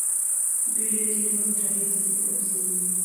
دوی له ډېر وخت راهیسې دلته اوسېږي.